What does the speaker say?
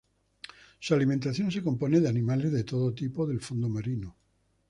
Su alimentación se compone de animales de todo tipo del fondo marino.